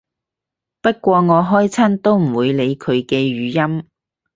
不過我開親都唔會理佢嘅語音